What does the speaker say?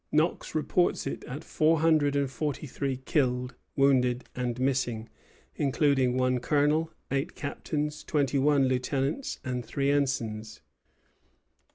Knox reports it at four hundred and forty three, killed, wounded, and missing, including one colonel, eight captains, twenty one lieutenants, and three ensigns.